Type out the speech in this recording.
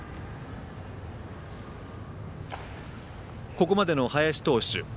ここまでの林投手。